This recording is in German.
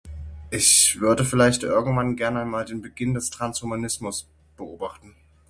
Ich würde vielleicht irgendwann gern einmal, den Beginn des Transhumanismus beobachten.